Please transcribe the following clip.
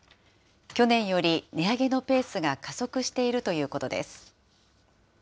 去年より値上げのペースが加速しているということです。